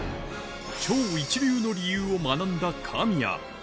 超一流の理由を学んだ神谷